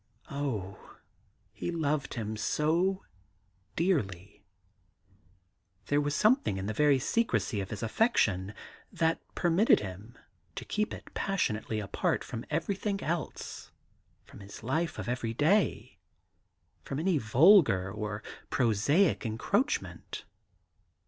Oh, he loved him so dearly I There was something in the very secrecy of his affection that permitted him to keep it passionately apart from everything else, from his life of everyday, from any vulgar or prosaic encroach ment.